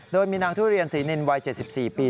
โดยมีนางทุเรียนศรีนินวัย๗๔ปี